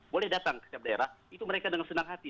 boleh datang ke setiap daerah itu mereka dengan senang hati